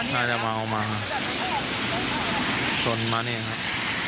ถ้ายังไม่เอามาชนมานี่ครับ